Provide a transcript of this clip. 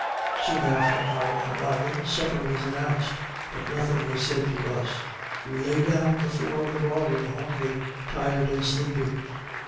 Soon after our arrival supper was announced, but nothing was said to us. We laid down on the floor of the bar room hungry, tired and sleepy.